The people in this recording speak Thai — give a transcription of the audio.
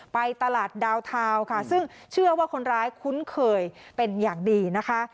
ไปตลาดดาวทาวน์ค่ะซึ่งเชื่อว่าคนร้ายคุ้นเคยเป็นอย่างดีนะคะ